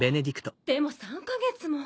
でも３か月も。